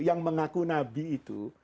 yang mengaku nabi itu